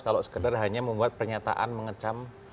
kalau sekedar hanya membuat pernyataan mengecam